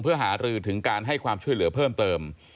เพื่อหารือถึงการให้ความช่วยเหลือเพิ่มเติม